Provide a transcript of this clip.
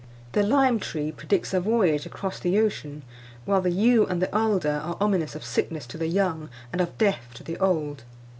The lime tree predicts a voyage across the ocean; while the yew and the alder are ominous of sickness to the young and of death to the old.